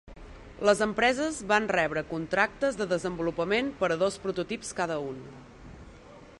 Les empreses van rebre contractes de desenvolupament per a dos prototips cada un.